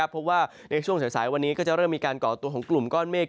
เพราะว่าในช่วงสายวันนี้ก็จะเริ่มมีการก่อตัวของกลุ่มก้อนเมฆ